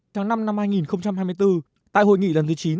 tháng năm năm hai nghìn hai mươi bốn tại hội nghị lần thứ chín